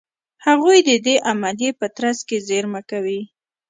هغوی د دې عملیې په ترڅ کې زېرمه کوي.